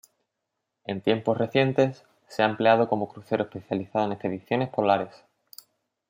En tiempos recientes, se ha empleado como crucero especializado en expediciones polares.